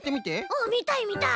うんみたいみたい。